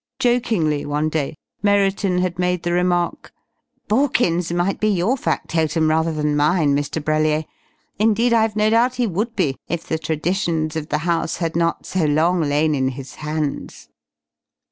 Jokingly one day, Merriton had made the remark: "Borkins might be your factotum rather than mine, Mr. Brellier; indeed I've no doubt he would be, if the traditions of the house had not so long lain in his hands."